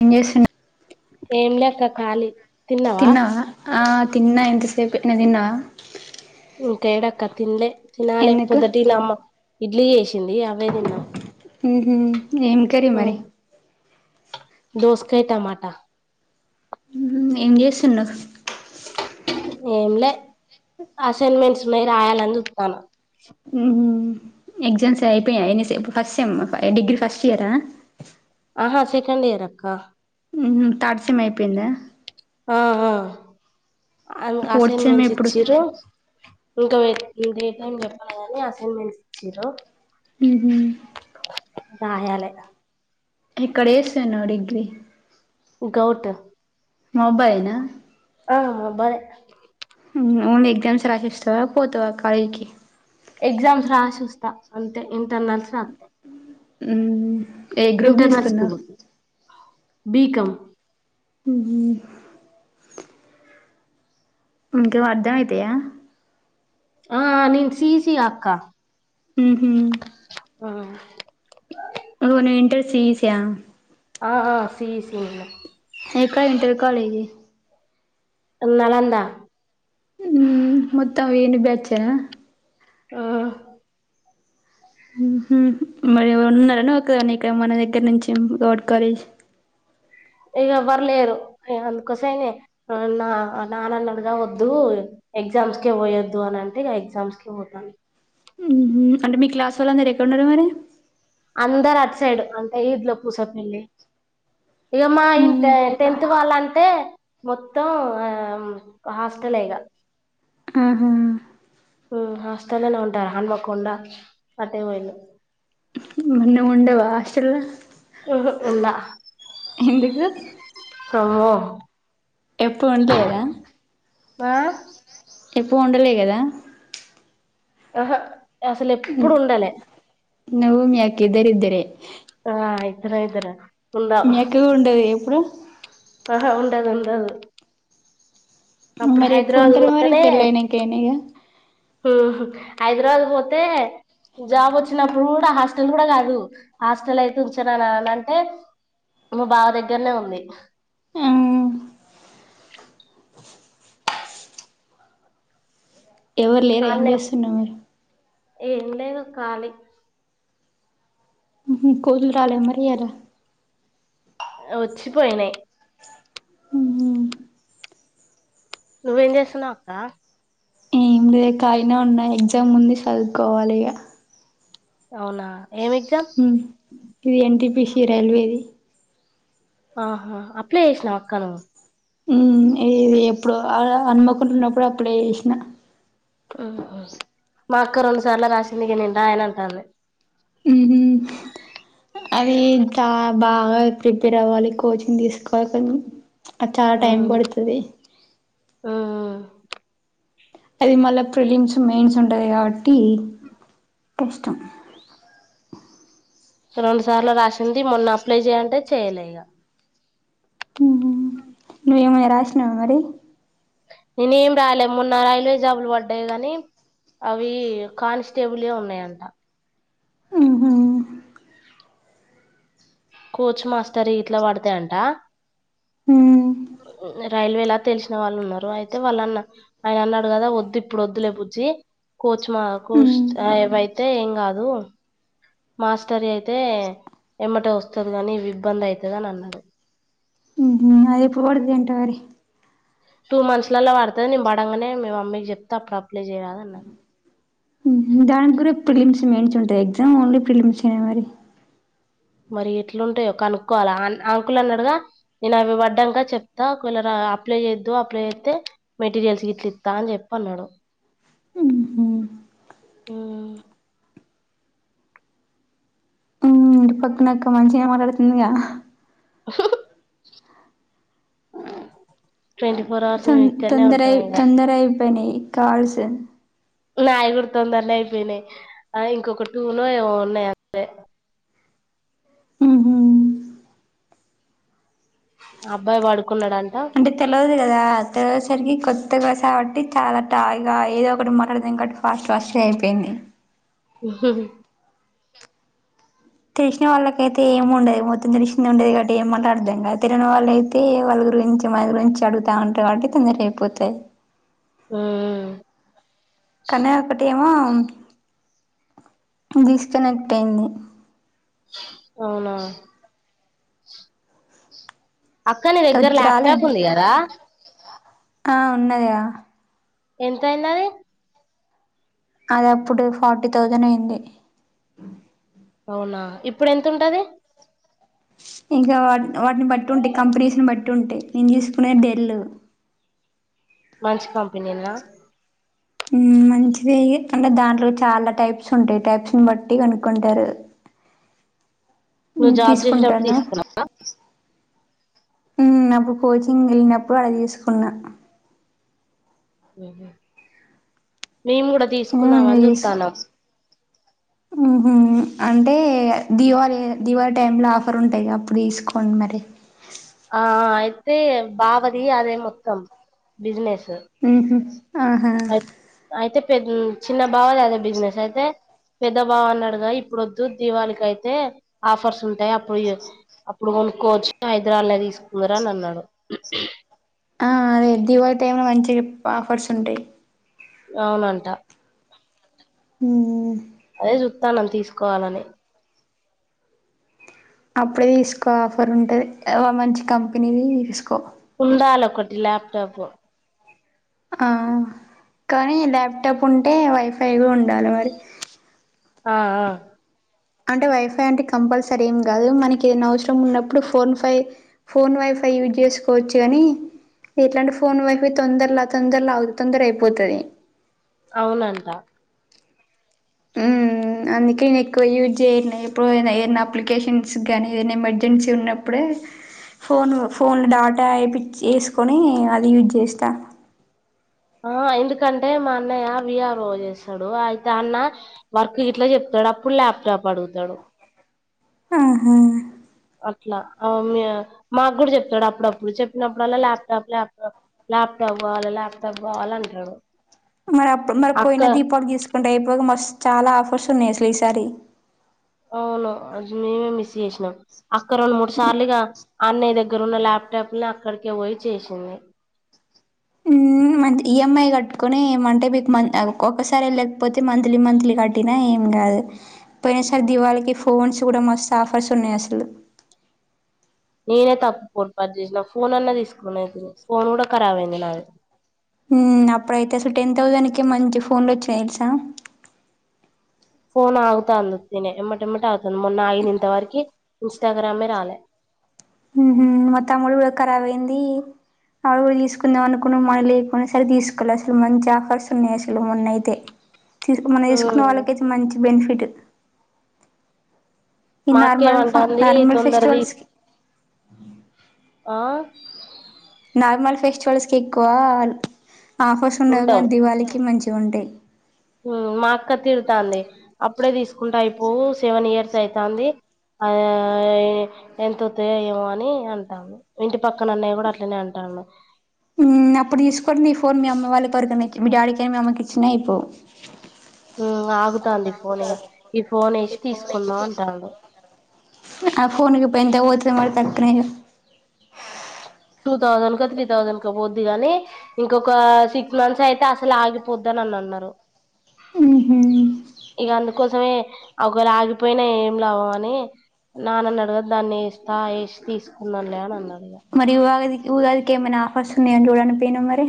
ఏం చేశిండు. ఏంలే అక్క ఖాళీ. తిన్నావా. ఆ తిన్నా ఇంతసేపె. నువ్వు తిన్నావా. ఇంకేడ అక్క తిన్లే. తినాలే ఎందుకు పొద్దుటీల అమ్మ ఇడ్లీ చేేశిందీ అవే తిన్నం. ఊహూ. ఏం కర్రీ మరి. దోసకాయ్ టమాట. ఉమ్ ఏం చేస్తున్నవ్. ఏంలే అసైన్మెంట్స్ ఉన్నాయి రాయాలని చూత్తానా. ఊహూ ఎగ్జామ్స్ అయిపోయాయ ఎన్ని సె ఇపుడు ఫస్ట్ సెమ్మా డిగ్రీ ఫస్ట్ ఇయరా. హా సెకండ్ ఇయర్ అక్కా. ఊహు థర్డ్ సేమ్ అయిపోయిందా. ఆహా అ ఫోర్త్ సెమ్ అసైన్మెంట్స్ ఎప్పుడు ఇచ్చిర్రు. ఇంకా టైమ్ చెప్పాలే అని అసైన్మెంట్స్ ఇచ్చిరు ఉహ్మ రాయాలె ఇక్కడ ఏస్తేనవు డిగ్రీ గౌట్ మొబైల్ బలే ఓన్లీ ఎగ్జామ్స్ రాసేస్తవా పోతవా కాలేజీకి ఎగ్జామ్స్ రాసి వస్తా అంతే ఇంటర్నల్స్ హ్మ్ ఏ గ్రూప్ తీసుకున్నావ్ బీకం ఉహ్మ ఇంకా అర్ధం అయితయా ఆ నేను సీసీ గా అక్క ఉహ్మ ఆ ఇంటర్ సీఈసీ ఆ ఆ ఆ సీఈసీ నే ఎక్కడ ఇంటర్ కాలేజీ నలంద హ్మ్ మత్తవ ఏను బ్యా చ్చ ఓ మరి ఎవ ఉన్నారని ఒకని ఇక్కడ మన దగ్గర నుంచి గడ్ కాలేజ్ ఇక ఎవ్వరు లేరు అందుకోసమ నా నాన్నన్నడుగా వద్దు ఎగ్జామ్స్కే పోయొద్దు అని అంటే ఇక ఎగ్జామ్స్కే పోతాను ఉహ్మ అంటే మీ క్లాస్ వాళ్ళందరు ఎక్కడన్నారు మరి అందరు అటు సైడు అంటే ఈద్ లో పూసపల్లి ఇగ మా ఇ టెన్త్ వాళ్ళ అంటే మొత్తం హాస్టల్ ఇగ ఉ హ్మ్మ్ హ్మ్ హాస్టల్లోనే ఉంటారు హంమకుండా అట్టేళ మన్నముండవా అషల్ ఉహు ఉండ ఎందుకు ఓ ఎప్పుడు ఉండలేదా ఆ ఎప్పు ఉండలే గదా ఆహా నేన్ అసలు ఎప్పుడు ఉండలే నువ్వు మీ అక్క ఇద్దరు ఇద్దరే ఆ ఇద్దరు ఇద్దరే మెక్కగూడ ఉంటది ఎప్పుడు ఆహా ఉండదు ఉండదు అప్పుడు మరి ఎప్పుడు హైదరాబాద్ ఉంటారు మరి పోతానే పెళ్ళి అయినాకైనా ఇగ ఉహ్మ హైదరాబాద్ పోతే జాబ్ వచ్చినప్పుడు కూడా హాస్టల్ కూడా కాదు హాస్టల్ అయితే ఉంచనా అని అంటే మా బావ దగ్గరనే ఉంది హ్మ్ ఎవరు లేర ఏం అన్నే చేస్తున్నా మరీ ఏం లేదు కాలి కోదలు రాలే మరియాద ఉచ్చిపోయినే మ్మ్ నువ్వేం చేస్సున్నావు అక్క ఎగ్జాముంది చదువుకోవాలిగా అవునా ఏం ఎగ్జామ్ ఇది ఎన్టిపిసి రైల్వేది ఆహా అప్లే చేసినావ అక్కను మ్మ్ ఇది ఎప్పుడు ఆ హన్మకొండప్పుడు అప్పుడు చేసిన ఆహా మా అక్క రెండుసార్లు రాసిందిగా నేం రాయను అంటాంది మ్మ్ హ్మ్ అదింతా బాగా ప్రిపేర్ అవ్వాలి, కోచింగ్ తీసుకోవాలి కన్ అద్ చాలా టైం అంటాంది పడుతది అది మళ్ళ ఫ్రిలిమ్స్ మెయిన్స్ ఉంటది గావ ట్టి కష్టం రెండు సార్లు రాసింది మొన్న అప్లై చేయంటే చేయ్యలే ఇగ మ్మ్ హ్మ్ నువ్వేమన రాశ్నావా మరి నేనేం రాయలే మొన్న రైల్వే జాబులు వడ్డాయి గాని అవి కానిస్టేబులువే ఉన్నాయంట. ఉహు కోచ్ మాస్టర్ యి ఇట్లా పడతాయంట ఉమ్ రైల్వే ఇలా తెలిసిన వాళ్ళు ఉన్నారు అయితే వాళ్ళన్న ఆయన అన్నాడు కదా వద్దు ఇప్పుడు వద్దులే బుజ్జి కోచ్ మా ఉమ్ కోచ్ ఏవైతే ఏం కాదు మాస్టర్ అయితే ఎమ్మట వస్తుది కాని ఇ ఇబ్బంది అవుతుది అని అన్నాడు అదే పోడద ఏంటవర టూ మంత్స్ లలో పడతది నేను పడంగానే మ మమ్మీకి చెప్తా అప్పుడు అప్లై చేయరాదు అన్నది [unintelligible] మెయిన్స్ ఉంటయి ఎగ్జామ్ ఓన్లీ ప్రిలిమ్సే మరి మరి ఎట్లుంటాయో కనుక్కోవాలి ఆంకులు అన్నాడుగా నేను అవి పడ్డాక చెప్తా ఒక వలరా అప్లై చేద్దు అప్లై చేత్తే మెటీరియల్స్ ఇట్లు ఇస్తా అని చెప్పి అన్నాడు హుహు. ఇంటి పక్కన అక్క మంచి ఏం అడుగుతుందిగా ట్వంటీ ఫోర్ అవర్స్ చాన్ మేము తొంద ఇక్కడనే తొందరయి ఉంటాం ఇక తొందర అయిపోయినియి కాల్స్ నాయి గూడా తొందరనే అయిపోయినయి ఆ ఇంకొక టూనో ఏమో ఉన్నాయి అంతే ఊహూ ఆ అబ్బాయి పడుకున్నాడం అంటే తెలవదు కదా తెలియేసరికి కొ కొత్తగా కాబట్టి చాలా టాయ్ గా ఏదో ఒకటి మాట్లాడతు ఇంకోటి ఫాస్ట్ ఫాస్ట్ గా అయిపోయింది తెలిసిన వాళ్ళకయితే ఏమి ఉండదు మొత్తం తెలిసింది ఉండేది కాబట్టి ఏంమాటాడలో అర్థం కాదు తెలియని వాళ్ళ అయితే వాళ్ళ గురించి మన గురించి అడుగుతా అంటారు కాబట్టి తొందర అయిపోతాయి హ్మ్ కానీ ఒక్కటేమో డిస్కనెక్ట్ అయ్యింది అవునా అక్కా నీ దగ్గర అది ల్యాప్టాప్ రాలేంటి ఉంది గదా ఆ ఉన్నదిగా ఎంతయ్యిందది అది అప్పుడు ఫార్టీ థౌసన్ అయింది అవునా ఇప్పుడు ఎంతుంటది ఇంకా వాటి వాటిని బట్టి ఉంటి కంపినీస్ ని బట్టి ఉంటి నేను తీసుకునే డెల్లు మంచి కంపెనీ నా ఉమ్ మంచిదెయ్యే అంటే దాంట్లో చాలా టైప్స్ ఉంటాయి టైప్స్ ని బట్టి కనుక్కుంటారు నువ్వు జాబ్ చేసేటప్పుడు తీసుకున్నావా ఉమ్ అప్పుడు కోచింగ్ ఎళ్ళినప్పుడు ఆడ తీసుకున్నా [inaudible] మేం గూడా తీసుకున్నాం అని జూత్తానం ఊహూ అంటే దివాళి దివాళి టైం లో ఆఫర్ ఉంటాయి గా అప్పుడు తీసుకోండి మరి ఆ ఆ అయితే బావది అదే మొత్తం బిసినెస్ ఉహ్మ ఆహా అయితే చిన్న బావ లేదా బిజినెస్ అయితే పెద్ద బావ అన్నాడుగా ఇప్పుడు వద్దు దీవాళికి అయితే ఆఫర్స్ ఉంటాయి అప్పుడు అప్పుడు కొనుక్కోవచ్చు హైదరాబాద్ లో తీసుకుందరా అని అన్నాడు ఆ అదే దీపాళి టైమ్ లో మంచి ఆఫర్స్ ఉంటాయి అవునంట హ్మ్ చుత్తానం తీసుకోవాలని అప్పుడే తీసుకో ఆఫర్ ఉంటుంది మంచి కంపెనీది తీసుకో కుందాల ఒకటి ల్యాప్టాపు ఆ కానీ ల్యాప్టాప్ ఉంటే వైఫైగా ఉండాలి మరి ఆ ఆ అంటే వైఫై అంటే కంపల్సరీ ఏం కాదు మనకి ఏదైనా అవసరం ఉన్నప్పుడు ఫోన్ ఫై ఫోన్ వైఫై యూజ్ చేసుకోవచ్చు కాని ఎట్లాంటి ఫోన్ వైఫై తొందరలో తొందరలో తొందర అయిపోతుది అవునంట అందుకే నేను ఎక్కువ యూజ్ చేయ ఎప్పుడు ఏదైనా అప్లికేషన్స్ కానీ ఏదైనా ఎమర్జెన్సీ ఉన్నప్పుడే ఫోన్ ఫోన్లో డాటా వయి వేసుకొని అది యూజ్ చేస్త ఆ ఎందుకంటే మా అన్నయ్య విఆర్ రోజ చేస్తాడు అయితే అన్న వర్క్ గిట్లా చెప్తాడు అప్పుడు ల్యాప్టాప్ అడుగుతడు ఉహ్మ్ అట్లా మాకు కూడా చెప్తాడు అప్పుడప్పుడు చెప్పినప్పుడల్లా ల్యాప్టాప్ లాప్టాప్ ల్యాప్టాప్ కావాలి ల్యాప్టాప్ కావాలి అంటాడు మరి అప్పుడు మరి అక్క పోయిన దీపాళి తీసుకుంటే అయిపోగా మస్ చాల ఆఫర్సు ఉన్నాయి అసలు ఈసారి అవును అజుమసి చేసినాం అక్క రెండు మూడు సార్లుగా అన్నయ్య దగ్గర ఉన్న ల్యాప్టాప్ ని అక్కడికే పోయి చేసింది మ ఈఎంఐ కట్టుకుని ఏమంటే మీకు ఒక్కొక్కసారి వెళ్ళకపోతే మంత్లీ మంత్లీ కట్టినా ఏం కాదు పోయిన సర దివాళికి ఫోన్స్ కూడా మస్తు ఆఫర్స్ ఉన్నాయి అసలు నేనే తప్పు పోర్పాటు చేసినా ఫోన్ అన్నా తీసుకుని అయి ఫోన్ కూడా కారబైంది నాది అప్పుడుయితే టెన్ థౌసాండ్ కి మంచి ఫోన్ల వచ్చయ తెలుస ఫోన్ ఆగుతంది ఉత్తినే ఎంబటేంబటె ఆగుతంది మొన్న ఆగింది ఇంత వరకి ఇన్స్టాగ్రామే రాలే ఊహూ మా తమ్ముడిది కూడా కరాబ్ అయింది ఆడు కూడా తీసుకుందాం అనుకున్నడు మనీ లేకుండే సరికి తీసుకోలే అసలు మంచి ఆఫర్స్ ఉన్నయి అసలు మొన్న అయితే తీ మొన్న తీసుకున్న ఉమ్ వాళ్ళకైతే మంచి బెనిఫిట్ ఈ నార్మల్ ఫ మాక్కేమంటాంది నార్మల్ తొందర ఫెస్టివల్స్ తీస్ కి ఆ నార్మల్ ఫెస్టివల్స్కి ఎక్కువ ఆఫర్స్ ఉండవు కానీ దివాళికి మంచి ఉంటయ్ ఊ మా అక్క తిడుతాంది అప్పుడే తీసుకుంటె అయిపోవు సెవెన్ ఇయర్స్ అయితాంది ఆ ఎంతొత్తయో ఏమో అని అంటాంది ఇంటి పక్కన అన్నయ్య కూడా అట్లనే అంటండు ఊ అప్పుడు తీసుకోని నీ ఫోన్ మీ అమ్మ వాళ్ళివ్వరుగా మీకి మీ డాడికైనా మీ అమ్మకి ఇచ్చిన అయిపోవు ఉమ్ ఆగుతాంది ఫోన్ ఇగ ఈ ఫోన్ ఏసి తీసుకుందాం అంటాండు ఆ ఫోన్ ఇప్పుడు ఎంతకు పోతది మరి త్రీ టూ థౌసండ్ కో త్రీ థౌసండ్ కో పోద్దిగాని ఇంకొక సిక్స్ మంత్స్ అయితే అసలు ఆగిపోద్ది అని అన్నరు ఊహూ ఇగ అందు అందుకోసమే ఒకవేళ ఆగిపోయినా ఏం లాభం అని నాన్ననడగకు దాన్ని వేస్తా వేసి తీసుకుందాంలే అని అన్నడు మరి ఉగాది ఊగాదికి ఏమన్న ఆఫర్స్ ఉన్నాయో చూడనకపోయినవ్ మరి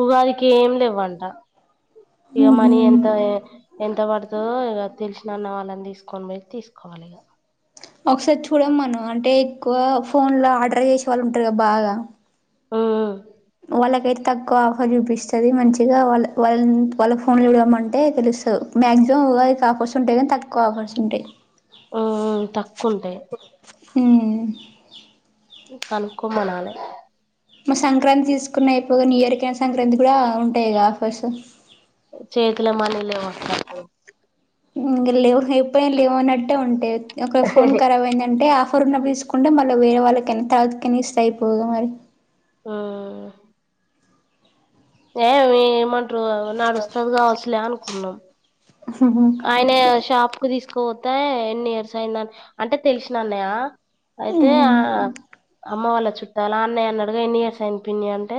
ఉగాదికి ఏం లెవ్వంట ఇగ ఊహూ మని ఎంత ఎంత పడుతదో ఇగ తెలిసినన్న వాళ్ళని తీసుకొని పోయి తీసుకోవాలె ఇగ ఒకసారి చూడమను అంటే ఎక్కువ ఫోన్ ల ఆర్డర్ చేసే వాళ్ళు ఉంటరు కదా బాగా ఉమ్ వాళ్ళకైతే తక్కువ ఆఫర్ చూపిస్తది మంచిగా వాళ్ళ వాళ్ళ వాళ్ళ ఫోన్లు చూడమంటే తెలుస్తది మాక్సిమం ఉగాదికి ఆఫర్స్ ఉంటయి కానీ తక్కువ ఆఫర్స్ ఉంటయి ఉమ్ తక్కువ ఉంటాయి ఊ కనుక్కోమనలె ఒక న్యూ ఇయర్ కేనా సంక్రాంతికి కూడా ఉంటయిగా ఆఫర్స్ చేతుల మనీ లేవక్క అసలు ఇంగ లేవు ఎప్పుడైనా లేవు అన్నట్టే ఉంటయి ఒకల ఫోన్ కరాబ్ అయిందంటే ఆ ఫో ఫరున తీసుకుంటే మళ్ళ వేరే వాళ్ళకి ఏనా తర్వాతకనిస్తే అయిపోవుగా మరి ఆ ఏ మీ ఏమం రూ నడుస్తది కావచ్చులే అను ఉన్నం మ్మ్ ఆయన షాప్ కు తీసుకు కుపోతే ఎన్ని ఇయర్స్ అయిందని అంటే తెలిసిన అన్నయ్య అయితే ఆ హ్మ్ అమ్మ వాళ్ళ చుట్టాలు ఆ అన్నయ్య అన్నడుగా ఎన్ని ఇయర్స్ అయింది పిన్ని అంటే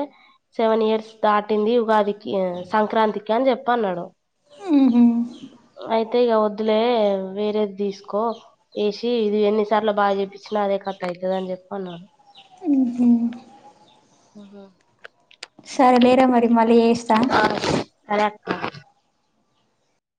సెవెన్ ఇయర్స్ దాటింది ఉగాదికి సంక్రాంతికి అని చెప్పి అన్నాడు [inaudible] అయితే ఇక వద్దులే వేరేది తీసుకో వేసి ఇది ఎన్నిసార్లు బాగా చేప్పించినా అదే కథ అయితది అని చెప్పి అన్నారు ఊహు ఆహ సరే లేరా మరి మళ్ళీ చేస్తా ఆ [inaudible]